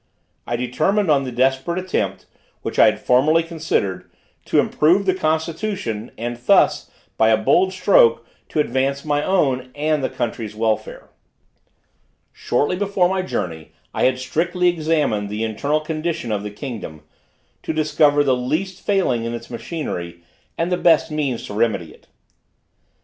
I determined on the desperate attempt, which I had formerly considered, to improve the constitution, and thus, by a bold stroke, to advance my own and the country's welfare. Shortly before my journey I had strictly examined the internal condition of the kingdom, to discover the least failing in its machinery, and the best means to remedy it.